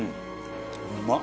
うまっ！